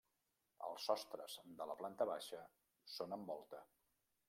El sostres de la planta baixa són amb volta.